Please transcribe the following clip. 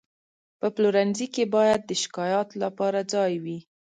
په پلورنځي کې باید د شکایاتو لپاره ځای وي.